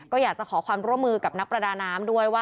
ก็อยากจะขอความร่วมมือกับนักประดาน้ำด้วยว่า